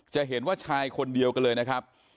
จะเห็นว่าชายคนเดียวกันเลยนะครับ